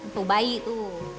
tuh bayi tuh